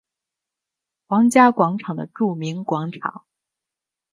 皇家广场的著名广场。